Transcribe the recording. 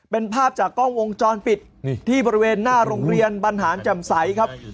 เป็นภาพจากกล้องวงจรปิดที่บริเวณหน้าโรงเรียนบรรหารแจ่มใสครับ